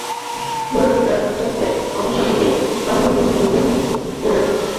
বোল্ট-রাজত্বের অবসান ঘটিয়ে ট্র্যাকের নতুন রাজা হিসেবে আগস্টে আত্মপ্রকাশও করতে পারেন গ্যাটলিন।